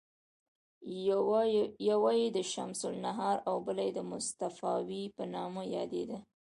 یوه یې د شمس النهار او بله یې د مصطفاوي په نامه یادیده.